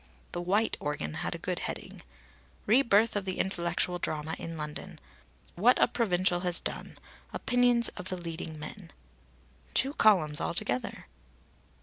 The white organ had a good heading: "Re birth of the intellectual drama in London. What a provincial has done. Opinions of the leading men." Two columns altogether!